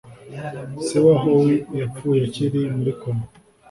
Se wa Howie yapfuye akiri muri koma.